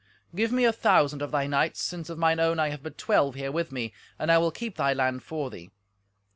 "Give me a thousand of thy knights, since of mine own I have but twelve here with me, and I will keep thy land for thee.